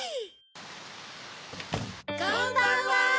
こんばんは！